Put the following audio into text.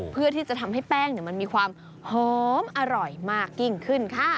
เพื่อที่จะทำให้แป้งมันมีความหอมอร่อยมากยิ่งขึ้นค่ะ